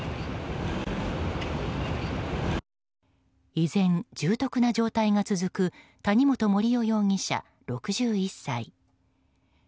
依然、重篤な状態が続く谷本盛雄容疑者、６１歳。